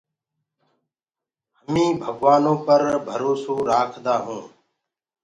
همي ڀگوآنو پر ڀروسو رآکدآ هونٚ۔